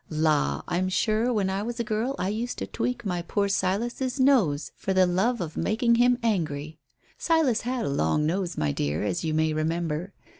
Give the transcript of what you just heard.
La, I'm sure when I was a girl I used to tweak my poor Silas's nose for the love of making him angry Silas had a long nose, my dear, as you may remember.